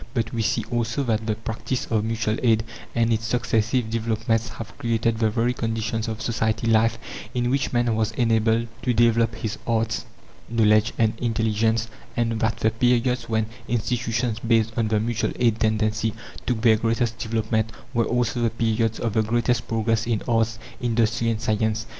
But we see also that the practice of mutual aid and its successive developments have created the very conditions of society life in which man was enabled to develop his arts, knowledge, and intelligence; and that the periods when institutions based on the mutual aid tendency took their greatest development were also the periods of the greatest progress in arts, industry, and science.